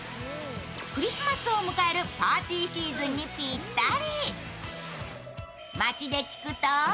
クリスマスを迎えるパーティーシーズンにぴったり。